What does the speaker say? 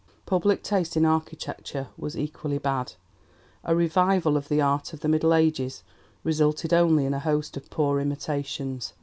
Public taste in architecture was equally bad. A 'revival' of the art of the Middle Ages resulted only in a host of poor imitations.